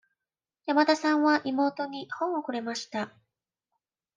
山田さんは妹に本をくれました。